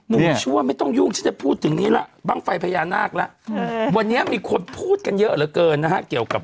แม่ชัวร์ไม่ต้องยุ่งจะพูดอย่างนี้ละบั้งไฟภัยานาคละวันแล้วมีคนพูดกันเยอะเหลือเกินนะคะเกี่ยวกับ